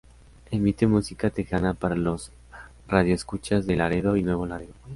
Emite música tejana para los radioescuchas de Laredo y Nuevo Laredo.